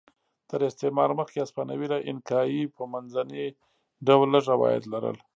تر استعمار مخکې هسپانوي له اینکایي په منځني ډول لږ عواید لرل.